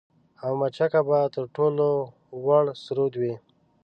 او مچکه به تر ټولو وُړ سرود وي